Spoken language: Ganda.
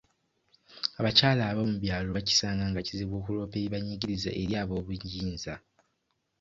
Abakyala b'omu byalo bakisanga nga kizibu okuloopa ebibanyigiriza eri aboobuyinza.